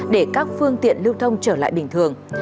để các phương tiện lưu thông trở lại bình thường